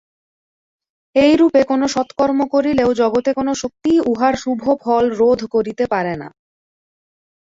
এইরূপে কোন সৎকর্ম করিলেও জগতে কোন শক্তিই উহার শুভ ফল রোধ করিতে পারে না।